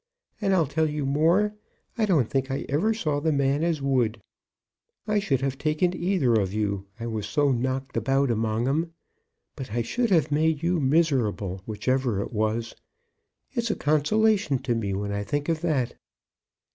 And I'll tell you more; I don't think I ever saw the man as would. I should have taken either of you, I was so knocked about among 'em. But I should have made you miserable, whichever it was. It's a consolation to me when I think of that."